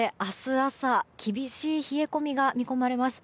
朝厳しい冷え込みが見込まれます。